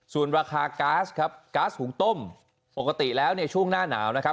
ส่วนราคาก๊าซครับก๊าซหุงต้มปกติแล้วเนี่ยช่วงหน้าหนาวนะครับ